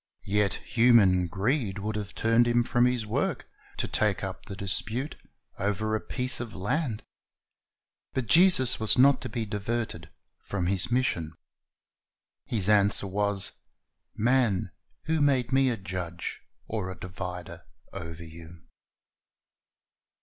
Yet human greed would have turned Him from His work, to take up the dispute over a piece of land. But Jesus was not to be diverted from His mission. His answer was, "Man, who made Me a judge or a divider over you?"